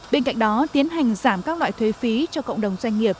bên cạnh đó tiến hành giảm các loại thuế phí cho cộng đồng doanh nghiệp